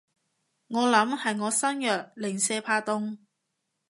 我諗係我身弱，零舍怕凍